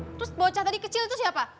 terus bocah tadi kecil itu siapa